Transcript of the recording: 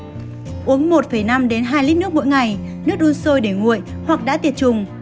uống một năm đến hai lít nước mỗi ngày nước đun sôi để nguội hoặc đã tiệt trùng